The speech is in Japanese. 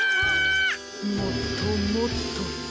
もっともっと。